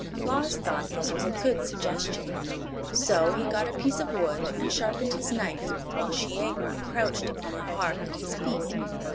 Claus thought this was a good suggestion. So he got a piece of wood and sharpened his knife, while Shiegra crouched upon the hearth at his feet.